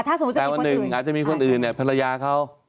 แต่วันหนึ่งอาจจะมีคนอื่นเนี่ยภรรยาเขา